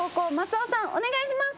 お願いします。